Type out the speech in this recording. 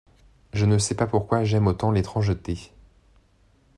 Je ne sais pas pourquoi j'aime autant l'étrangeté.